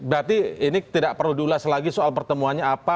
berarti ini tidak perlu diulas lagi soal pertemuannya apa